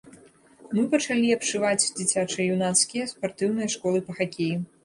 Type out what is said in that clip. Мы пачалі абшываць дзіцяча-юнацкія спартыўныя школы па хакеі.